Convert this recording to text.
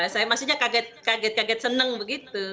saya maksudnya kaget kaget seneng begitu